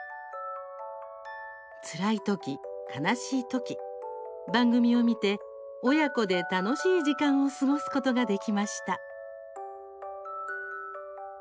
つらい時、悲しい時、番組を見て親子で楽しい時間を過ごすことができました。